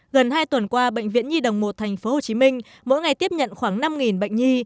gần hai tuần qua bệnh viện nhi đồng một tp hcm mỗi ngày tiếp nhận khoảng năm bệnh nhi